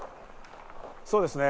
そうですね。